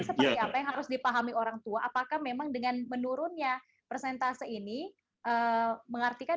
seperti apa yang harus dipahami orang tua apakah memang dengan menurunnya persentase ini mengartikan